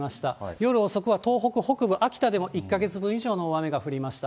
夜遅くは東北北部、秋田でも１か月分以上の大雨が降りました。